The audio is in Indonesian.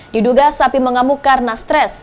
diduga sapi mengamuk karena stres